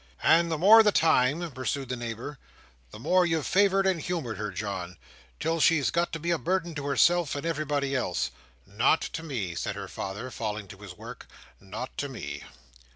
"And the more the time," pursued the neighbour, "the more you've favoured and humoured her, John, till she's got to be a burden to herself, and everybody else." "Not to me," said her father, falling to his work. "Not to me."